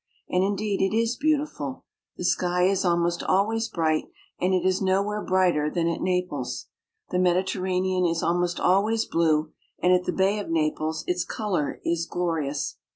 And indeed it is beautiful. The sky is almost always bright, and it is nowhere brighter than at Naples. The Mediterranean is almost always blue, and at the Bay of Naples its color is glorious.